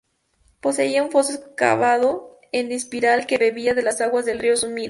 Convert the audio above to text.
Poseía un foso excavado en espiral que bebía de las aguas del río Sumida.